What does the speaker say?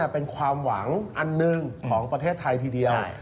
เป็นความหวังอันหนึ่งของประเทศไทยทีเดียว